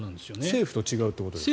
政府と違うということですね。